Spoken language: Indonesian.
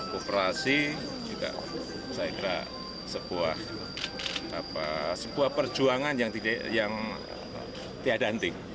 kooperasi juga saya kira sebuah perjuangan yang tiada henti